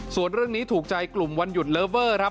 ส่วนเรื่องนี้ถูกใจกลุ่มวันหยุดเลิฟเวอร์ครับ